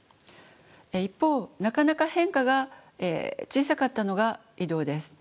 一方なかなか変化が小さかったのが移動です。